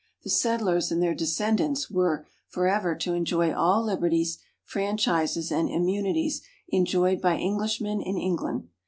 The settlers and their descendants were "forever to enjoy all liberties, franchises, and immunities enjoyed by Englishmen in England."